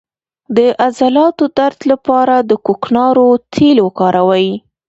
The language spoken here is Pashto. د عضلاتو درد لپاره د کوکنارو تېل وکاروئ